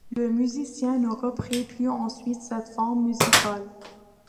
Le musicien ne reprit plus ensuite cette forme musicale.